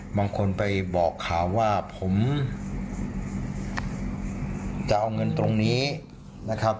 บางคนไปบอกข่าวว่าผมจะเอาเงินตรงนี้นะครับ